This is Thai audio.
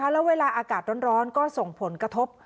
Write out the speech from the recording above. แล้วเวลาอากาศร้อนก็ส่งผลกระทบ